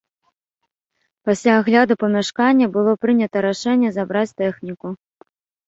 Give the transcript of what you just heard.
Пасля агляду памяшкання было прынята рашэнне забраць тэхніку.